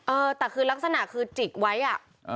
เออแต่คือลักษณะคือจิกไว้อ่ะ